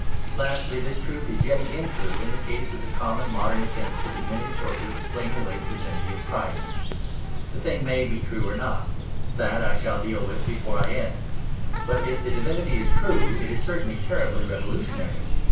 Lastly, this truth is yet again true in the case of the common modern attempts to diminish or to explain away the divinity of Christ. The thing may be true or not; that I shall deal with before I end. But if the divinity is true it is certainly terribly revolutionary.